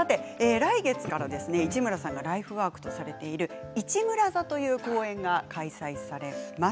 来月から市村さんのライフワークとされている「市村座」という公演が開催されます。